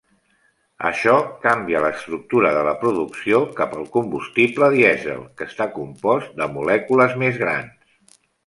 Això canvia l'estructura de la producció cap al combustible dièsel, que està compost de molècules més grans.